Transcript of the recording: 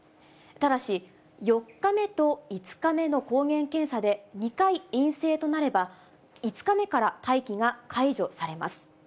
ただし、４日目と５日目の抗原検査で２回陰性となれば、５日目から待機が解除されます。